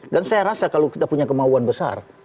dan saya rasa kalau kita punya kemauan besar